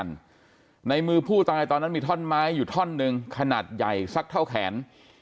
ในมือผู้ตายตอนนั้นมีท่อนไม้อยู่ท่อนหนึ่งขนาดใหญ่สักเท่าแขน